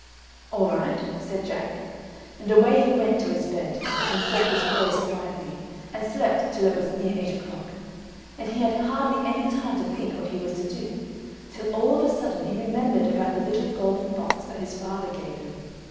"All right," said Jack; and away he went to his bed, and said his prayers quietly, and slept till it was near eight o'clock, and he had hardly any time to think what he was to do, till all of a sudden he remembered about the little golden box that his father gave him.